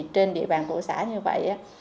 trên địa bàn của xã như vậy